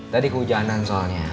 tadi kehujanan soalnya